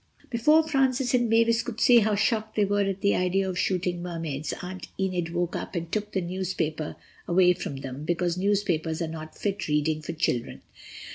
Before Francis and Mavis could say how shocked they were at the idea of shooting Mermaids, Aunt Enid woke up and took the newspaper away from them, because newspapers are not fit reading for children.